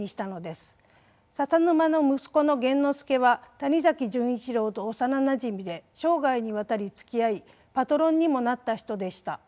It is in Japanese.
笹沼の息子の源之助は谷崎潤一郎と幼なじみで生涯にわたりつきあいパトロンにもなった人でした。